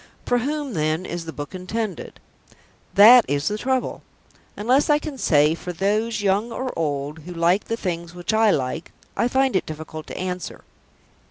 For whom, then, is the book intended? That is the trouble. Unless I can say, "For those, young or old, who like the things which I like," I find it difficult to answer.